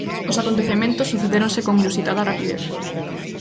Os acontecementos sucedéronse con inusitada rapidez.